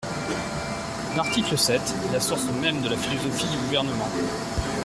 L’article sept est la source même de la philosophie du Gouvernement.